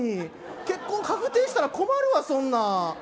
結婚確定したら困るわ、そんな。